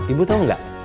ibu tau nggak